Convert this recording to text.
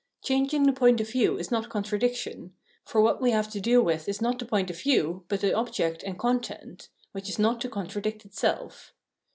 Changing the point of view is not contradiction ; for what we have to do with is not the point of view, but the object and content, which is not to contradict itself.